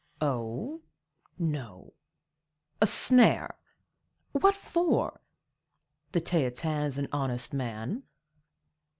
"Oh! no; a snare? What for? The Theatin is an honest man."